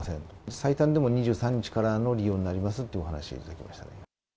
最短でも２３日からの利用になりますというお話がありましたね。